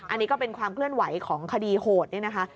อันนี้ก็เป็นความเคลื่อนไหวของคดีโหดนี่นะคะ